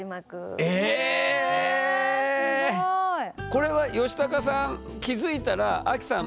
これはヨシタカさん気付いたらアキさん